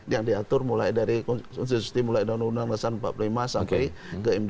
yang diatur mulai dari konsensus tim mulai dari undang undang lesan empat puluh lima sampai ke md tiga